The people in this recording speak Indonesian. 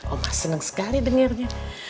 oma seneng sekali dengarnya